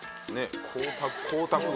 光沢が。